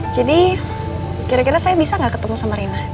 jadi kira kira saya bisa gak ketemu sama reina